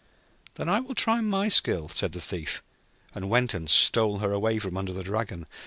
'Then I will try my luck,' said the Thief, and he stole her away from beneath the Dragon.